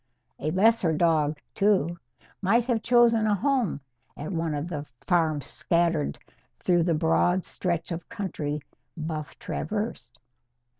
A lesser dog, too, might have chosen a home at one of the farms scattered through the broad stretch of country Buff traversed.